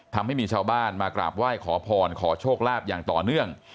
ทำให้มีชาวบ้านมากราบไหว้ขอพรขอโชคลาภอย่างต่อเนื่อง